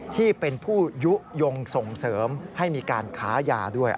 ที่เป็นผู้ยุโยงส่งเสริมให้มีการค้ายาด้วย